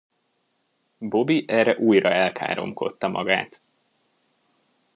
Bobby erre újra elkáromkodta magát.